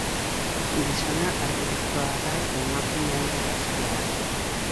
Gizona arkitektoa da eta emakumea irakaslea.